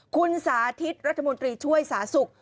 คุณสาธิตรัฐมนตรีช่วยสาธารณสุข